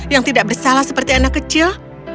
yang tidak bersalah seperti anak kecil